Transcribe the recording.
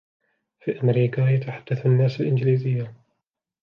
في أميركا ، يتحدث الناس الإنجليزية.